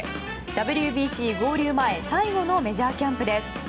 ＷＢＣ合流前最後のメジャーキャンプです。